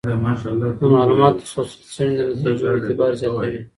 د معلوماتو تسلسل د څېړنې د نتیجو اعتبار زیاتوي.